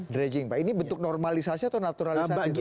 dredging pak ini bentuk normalisasi atau naturalisasi